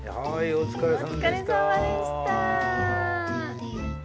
お疲れさまでした。